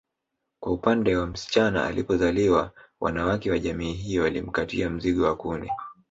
Kwa upande wa msichana alipozaliwa wanawake wa jamii hiyo walimkatia mzigo wa kuni